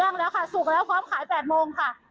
งแล้วค่ะสุกแล้วพร้อมขาย๘โมงค่ะ